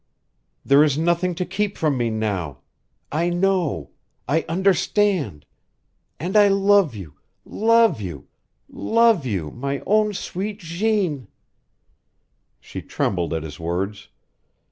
There is nothing to keep from me now. I know. I understand. And I love you love you love you my own sweet Jeanne!" She trembled at his words.